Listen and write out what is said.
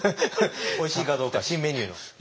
おいしいかどうか新メニューの。